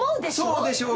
そうでしょうか。